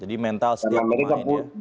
jadi mental setiap pemain ya